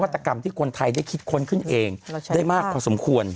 ตกรรมที่คนไทยได้คิดค้นขึ้นเองได้มากพอสมควร